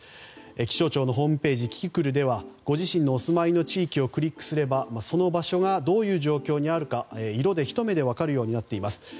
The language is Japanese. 気象庁のホームページキキクルではご自身のお住まいの地域をクリックすれば、その場所がどういう状況にあるか色でひと目で分かるようになっています。